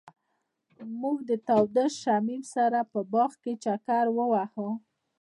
هغوی د تاوده شمیم سره په باغ کې چکر وواهه.